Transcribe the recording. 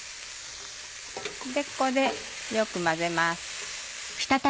ここでよく混ぜます。